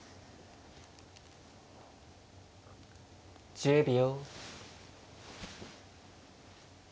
１０秒。